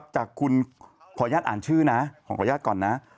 จากคุณขออนุญาตอ่านชื่อนะขออนุญาตก่อนนะ